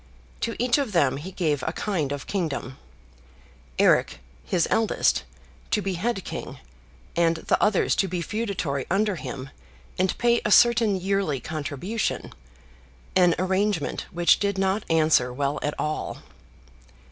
To each of them he gave a kind of kingdom; Eric, his eldest son, to be head king, and the others to be feudatory under him, and pay a certain yearly contribution; an arrangement which did not answer well at all.